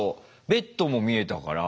ベッドも見えたから。